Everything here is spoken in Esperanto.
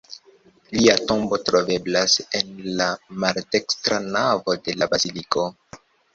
Lia tombo troveblas en la maldekstra navo de la baziliko.